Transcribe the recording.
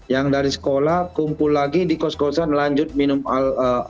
yang dari sekolah kumpul lagi di kos kosan lanjut minum al